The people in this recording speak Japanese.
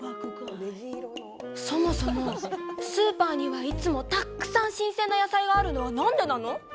そもそもスーパーにはいつもたくさん新鮮な野菜があるのはなんでなの？